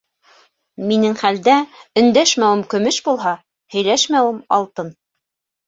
Минең хәлдә өндәшмәүем көмөш булһа, һөйләшмәүем - алтын.